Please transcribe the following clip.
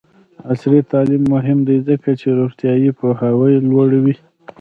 عصري تعلیم مهم دی ځکه چې روغتیایي پوهاوی لوړوي.